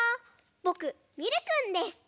ぼくミルくんです。